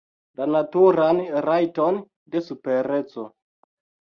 La naturan rajton de supereco.